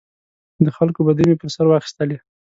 د خلکو بدۍ مې پر سر واخیستلې.